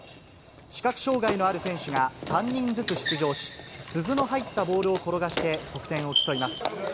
視覚障がいのある選手が３人ずつ出場し、鈴の入ったボールを転がして、得点を競います。